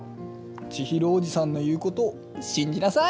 千尋叔父さんの言うことを信じなさい！